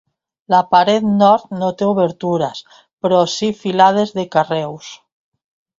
La paret nord no té obertures, però si filades de carreus.